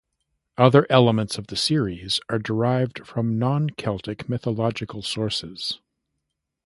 Other elements of the series are derived from non-Celtic mythological sources.